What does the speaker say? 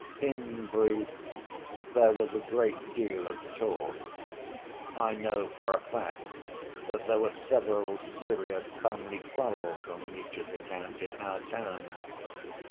In brief, there was a great deal of talk. I know for a fact that there were several serious family quarrels on Mitya's account in our town.